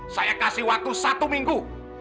saya kasih waktu satu minggu